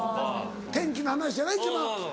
天気の話やな一番。